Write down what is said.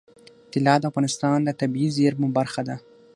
طلا د افغانستان د طبیعي زیرمو برخه ده.